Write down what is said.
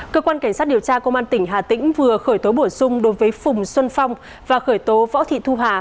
cơ quan cảnh sát điều tra công an tỉnh hà tĩnh vừa khởi tố bổ sung đối với phùng xuân phong và khởi tố võ thị thu hà